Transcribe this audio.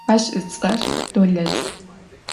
Aş ıts'er Dolet.